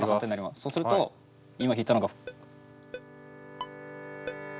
そうすると今弾いたのが。